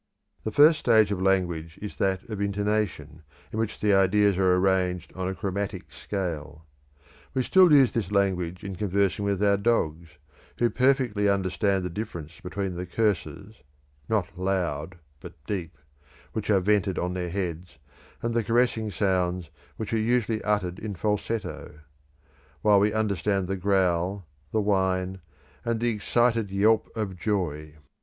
The first stage of language is that of intonation, in which the ideas are arranged on a chromatic scale. We still use this language in conversing with our dogs, who perfectly understand the difference between the curses, not loud but deep, which are vented on their heads, and the caressing sounds, which are usually uttered in falsetto; while we understand the growl, the whine, and the excited yelp of joy.